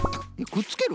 くっつける？